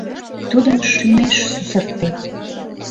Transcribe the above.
Тудын шӱмеш сусыртет!